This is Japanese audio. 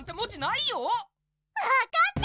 ⁉わかった！